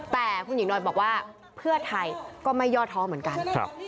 แต่คุณหญิงหน่อยบอกว่าเพื่อไทยก็ไม่ย่อท้อเหมือนกัน